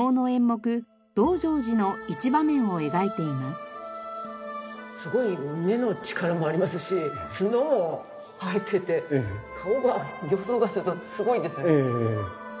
すごい目の力もありますし角も生えてて顔が形相がすごいですね。